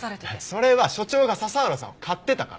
それは所長が佐々浦さんを買ってたから。